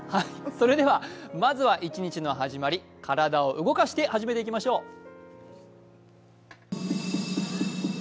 それでは、まずは一日の始まり、体を動かして初めていきましょう。